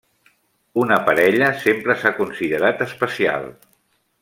Una parella sempre s'ha considerat especial.